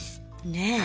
ねえ。